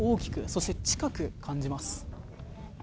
そして近く感じます。